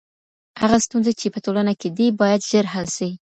هغه ستونزي چي په ټولنه کي دي باید ژر حل سي.